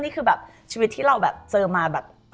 นี่คือชีวิตที่เราเจอมา